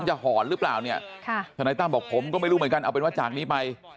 หอนหรือเปล่าเนี่ยทนายตั้มบอกผมก็ไม่รู้เหมือนกันเอาเป็นว่าจากนี้ไป